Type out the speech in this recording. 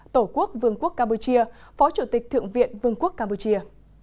tổ quốc vương quốc campuchia phó chủ tịch thượng viện vương quốc campuchia